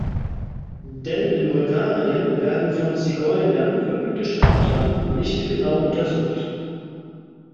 Denn in Bulgarien werden von Zigeunern verübte Straftaten nicht genau untersucht.